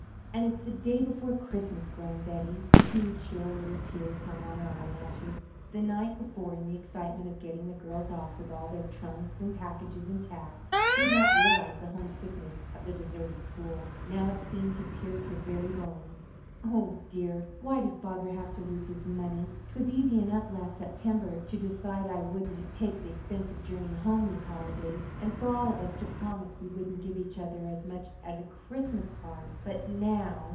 "And it's the day before Christmas!" groaned Betty. Two chill little tears hung on her eyelashes. The night before, in the excitement of getting the girls off with all their trunks and packages intact, she had not realized the homesickness of the deserted school. Now it seemed to pierce her very bones. "Oh, dear, why did father have to lose his money? 'Twas easy enough last September to decide I wouldn't take the expensive journey home these holidays, and for all of us to promise we wouldn't give each other as much as a Christmas card. But now!"